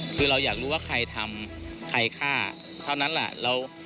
คือเราอยากรู้ว่าใครทำใครฆ่าเท่านั้นแหละ